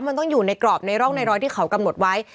มันต้องอยู่ในกรอบในร่องในรอยที่เขากำหนดไว้